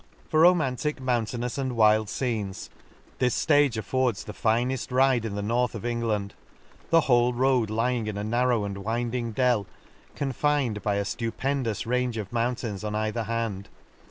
— For romantic, mountainous, and wild fcenes, this ftage affords the fineft ride the Lakes. 163 ride in the north of England ; the whole road lying in a narrow and winding dell, confined by a ftupendous range of 'moun tains on either hand.